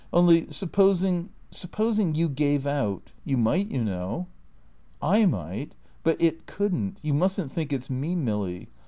Only supposing supposing you gave out? You might, you know." "I might. But It couldn't. You mustn't think it's me, Milly.